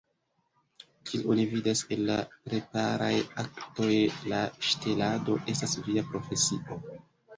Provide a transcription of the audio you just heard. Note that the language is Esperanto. Kiel oni vidas el la preparaj aktoj, la ŝtelado estas via profesio!